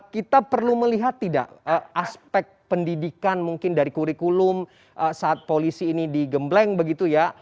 kita perlu melihat tidak aspek pendidikan mungkin dari kurikulum saat polisi ini digembleng begitu ya